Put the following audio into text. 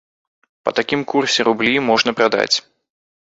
Па такім курсе рублі можна прадаць.